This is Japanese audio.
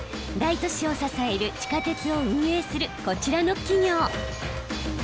大都市を支える地下鉄を運営するこちらの企業。